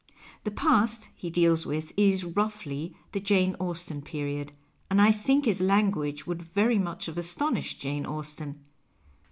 The " past " he deals with is, roughly, the Jane Austen period, and I think his language would very much have astonished .Jane Austen.